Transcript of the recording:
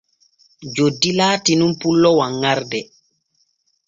Joddi laati nun pullo wanŋarde.